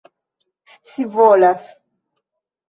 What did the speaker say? scivolas